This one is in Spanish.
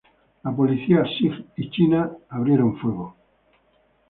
La policía sikh y china abrió fuego.